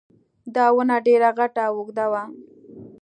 دا ونه ډېره غټه او اوږده وه